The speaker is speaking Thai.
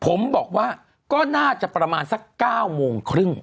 ผมบอกว่าก็น่าจะประมาณสัก๙โมงครึ่ง